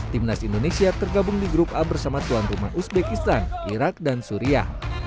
tim nas indonesia tergabung di grup a bersama tuan rumah uzbekistan irak dan syria